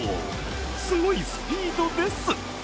すごいスピードです。